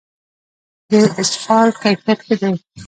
د اسفالټ کیفیت ښه دی؟